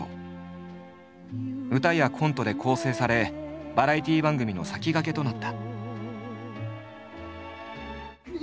歌やコントで構成されバラエティ番組の先駆けとなった。